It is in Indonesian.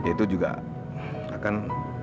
itu juga akan